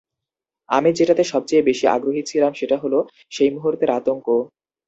আমি যেটাতে সবচেয়ে বেশি আগ্রহী ছিলাম সেটা হল, সেই মুহূর্তের আতঙ্ক...